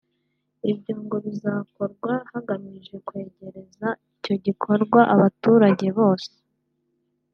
ibyo ngo bikazakorwa hagamijwe kwegereza icyo gikorwa abaturage bose